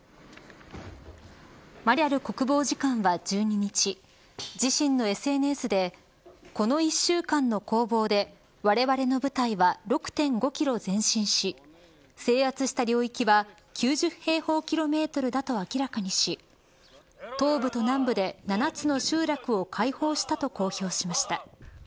マリャル国防次官は１２日自身のＳＮＳでこの１週間の攻防でわれわれの部隊は６．５キロ前進し制圧した領域は９０平方キロメートルだと明らかにし東部と南部で７つの集落を解放したと公表しました。